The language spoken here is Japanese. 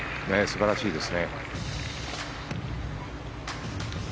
素晴らしいですね。